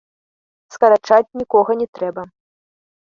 Скарачаць нікога не трэба.